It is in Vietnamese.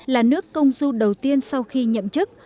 là nước công du đầu tiên sau khi nhậm chức